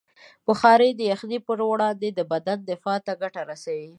بخاري د یخنۍ پر وړاندې د بدن دفاع ته ګټه رسوي.